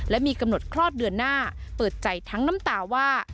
และมีกำหนดคลอดเดือนหน้าเปิดใจทั้งน้ำตาว่า